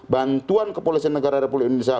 bantuan kepolisian negara republik indonesia